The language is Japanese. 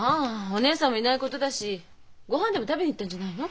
お義姉さんもいないことだし御飯でも食べに行ったんじゃないの？